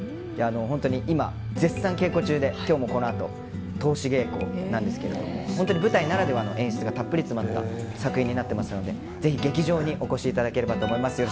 本当に今、絶賛稽古中で今日もこのあと通し稽古なんですけど本当に舞台ならではの演出がたっぷり詰まった作品になってますのでぜひ劇場にお越しいただければと思います。